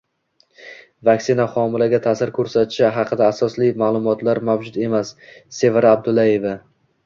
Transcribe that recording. “Vaksina homilaga ta’sir ko‘rsatishi haqida asosli ma’lumotlar mavjud emas” — Sevara Ubaydullayeva